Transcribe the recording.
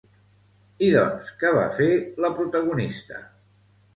I doncs, què va fer la protagonista?